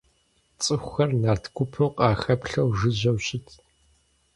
ЦӀыхухэр нарт гупым къахэплъэу жыжьэу щытт.